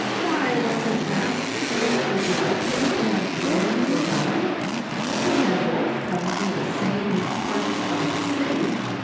Why wasn't master just as likely to have germs as I. We had both come through the same parts of the city.